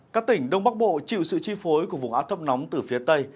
các tỉnh đông bắc bộ chịu sự chi phối của vùng áp thấp nóng từ phía tây